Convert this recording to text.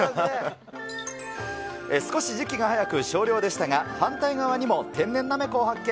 少し時期が早く少量でしたが、反対側にも天然ナメコを発見。